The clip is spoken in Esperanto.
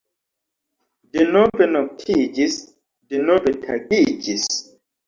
Denove noktiĝis; denove tagiĝis.